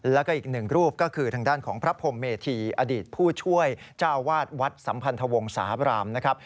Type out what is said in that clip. แล้วก็อีกหนึ่งรูปก็คือทางด้านของพระพรมเมธีอดีตผู้ช่วยเจ้าวาดวัดสัมพันธวงศาบรามนะครับ